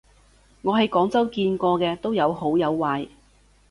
我喺廣州見過嘅都有好有壞